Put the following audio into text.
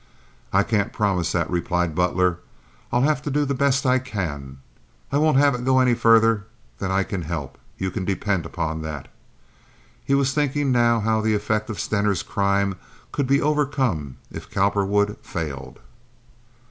"I can't promise that," replied Butler. "I'll have to do the best I can. I won't lave it go any further than I can help—you can depend on that." He was thinking how the effect of Stener's crime could be overcome if Cowperwood failed.